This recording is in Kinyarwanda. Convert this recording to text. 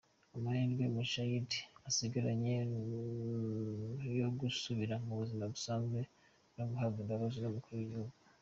Amahirwe Mushayidi asigaranye yo gusubira mubuzima busanzwe, n’uguhabwa imbabazi n’umukuru w’igihugu.